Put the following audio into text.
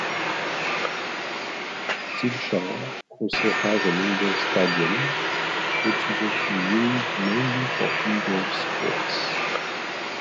Silchar also has an Indoor Stadium which is also used mainly for indoor sports.